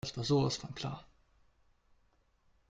Das war sowas von klar.